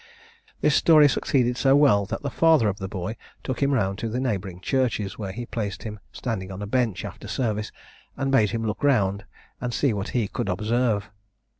This story succeeded so well, that the father of the boy took him round to the neighbouring churches, where he placed him standing on a bench after service, and bade him look round and see what he could observe.